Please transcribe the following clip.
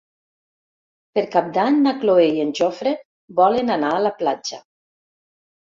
Per Cap d'Any na Cloè i en Jofre volen anar a la platja.